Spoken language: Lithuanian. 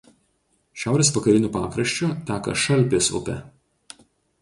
Šiaurės vakariniu pakraščiu teka Šalpės upė.